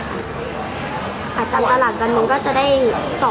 ค่ะการตลาดดันหนึ่งก็จะได้๒๓พอ